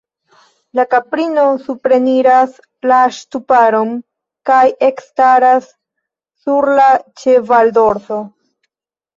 La kaprino supreniras la ŝtuparon kaj ekstaras sur la ĉevaldorso.